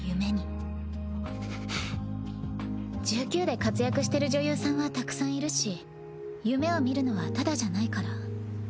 １９で活躍してる女優さんはたくさんいるし夢を見るのはタダじゃないから。